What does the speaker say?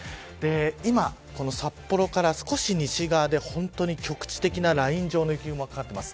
今、札幌から少し西側で本当に局地的なライン状の雪雲がかかっています。